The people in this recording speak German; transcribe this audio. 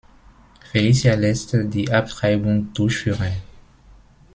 Felicia lässt die Abtreibung durchführen.